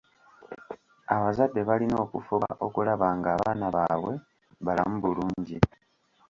Abazadde balina okufuba okulaba nga abaana baabwe balamu bulungi.